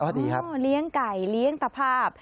บอกว่าเลี้ยงไก่เลี้ยงประภาพ